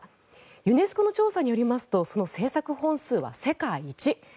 ユネスコの調査によりますとその制作本数は世界一。